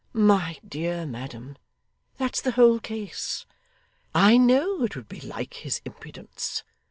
'My dear madam, that's the whole case. I know it would be like his impudence.